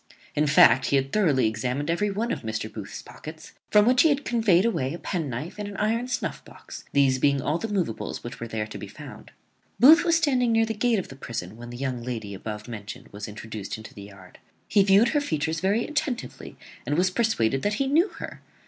In fact, he had thoroughly examined every one of Mr. Booth's pockets; from which he had conveyed away a penknife and an iron snuff box, these being all the moveables which were to be found. Booth was standing near the gate of the prison when the young lady above mentioned was introduced into the yard. He viewed her features very attentively, and was persuaded that he knew her.